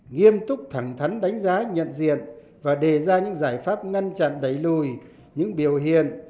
nghiêm túc thẳng thắn đánh giá nhận diện và đề ra những giải pháp ngăn chặn đẩy lùi những biểu hiện